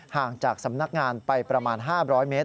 ห่างจากสำนักงานไปประมาณ๕๐๐เมตร